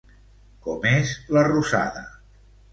Com és la rosada?